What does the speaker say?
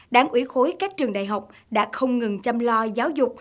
đảng ủy khối các trường đại học đã không ngừng chăm lo giáo dục